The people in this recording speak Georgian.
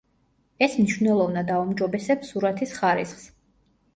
ეს მნიშვნელოვნად აუმჯობესებს სურათის ხარისხს.